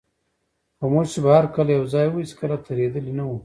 خو موږ چي به هر کله یوځای وو، هیڅکله ترهېدلي نه وو.